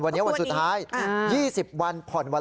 วันนี้วันสุดท้าย๒๐วันผ่อนวันละ